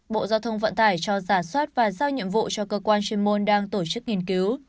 bộ giao thông vận tải cho giả soát và giao nhiệm vụ cho cơ quan chuyên môn đang tổ chức nghiên cứu